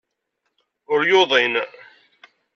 Ur yuḍin.